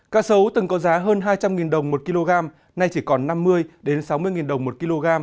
cá sấu từng có giá hơn hai trăm linh đồng một kg nay chỉ còn năm mươi sáu mươi đồng một kg